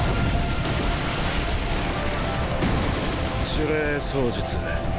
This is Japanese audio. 呪霊操術。